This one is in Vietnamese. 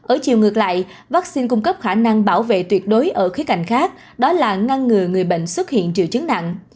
ở chiều ngược lại vaccine cung cấp khả năng bảo vệ tuyệt đối ở khía cạnh khác đó là ngăn ngừa người bệnh xuất hiện triệu chứng nặng